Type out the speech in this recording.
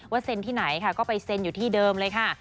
เซ็นที่ไหนค่ะก็ไปเซ็นอยู่ที่เดิมเลยค่ะ